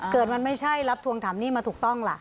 เกิดมันไม่ใช่รับทวงถามหนี้มาถูกต้องล่ะ